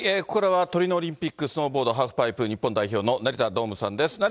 ここからは、トリノオリンピックスノーボードハーフパイプの日本代表の成田童夢さんです。